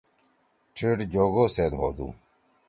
ٹیِٹھ جوگو سیت ہودُو۔